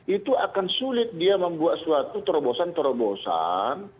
itu akan sulit dia membuat suatu terobosan terobosan